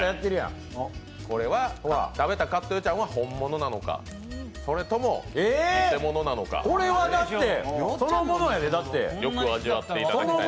これは食べたカットよっちゃんは本物なのか、それとも偽物なのか、よく味わっていただきたい。